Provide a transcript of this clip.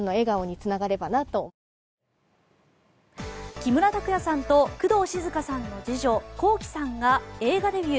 木村拓哉さんと工藤静香さんの次女Ｋｏｋｉ，さんが映画デビュー。